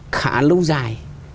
khá lâu dài